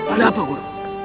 ada apa guru